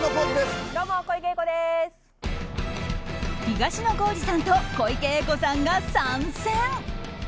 東野幸治さんと小池栄子さんが参戦。